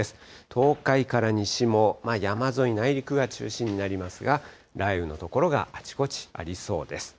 東海から西も、山沿い、内陸が中心になりますが、雷雨の所があちこちありそうです。